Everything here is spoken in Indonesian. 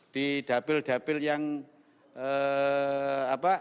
di dapil dapil yang apa